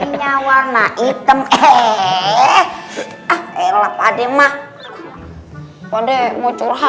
pesantren kunanta lalu kasih ini for ya pada semuanya adalah gthere you any idea